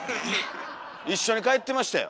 一緒に帰ってましたよ。